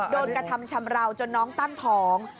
โดนกระทำชำราวจนน้องตั้งท้อง